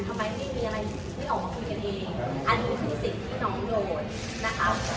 ทำไมไม่มีอะไรไม่ออกมาคุยกันเองอันนี้คือสิ่งที่น้องโดนนะคะ